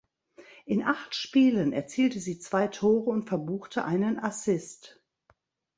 In acht Spielen erzielte sie zwei Tore und verbuchte einen Assist.